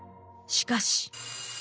しかし。